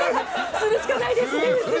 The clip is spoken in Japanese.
するしかないです！